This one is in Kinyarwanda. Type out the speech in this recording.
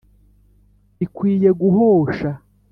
bikwiye guhosha